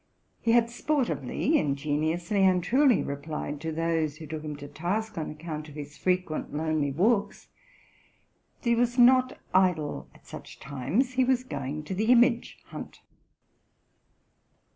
He had sportively, ingeniously, and truly replied to those who took him to task on account of his frequent, lonely walks, '*that he was not idle at such times, —he was going to the image hunt.